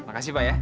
makasih pak ya